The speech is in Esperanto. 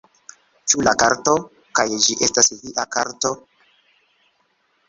Ĉu la karto... kaj ĝi estas via karto...